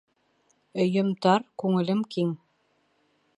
Өйөм тар, күңелем киң.